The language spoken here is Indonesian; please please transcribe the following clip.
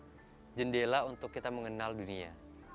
pendidikan buatku adalah jendela untuk kita mengenal dunia